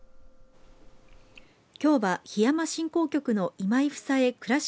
きょうは檜山振興局の今井フサエくらし